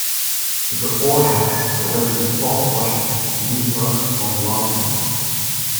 The Oreheks live in Port Washington, New York on Long Island.